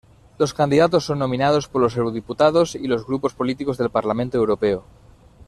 Los candidatos son nominados por los eurodiputados y los grupos políticos del Parlamento Europeo.